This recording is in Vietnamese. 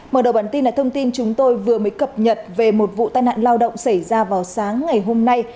mở đầu bản tin là thông tin chúng tôi vừa mới cập nhật về một vụ tai nạn lao động xảy ra vào sáng ngày hôm nay